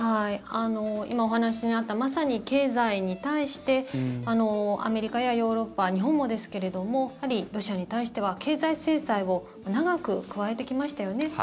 今お話にあったまさに経済に対してアメリカやヨーロッパ日本もですけれどもやはりロシアに対しては経済制裁を長く加えてきましたよね。